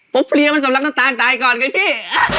โป๊ปเพรียมันสำรับกับตานตายก่อนไงพี่